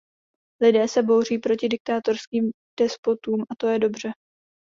Lidé se bouří proti diktátorským despotům, a to je dobře.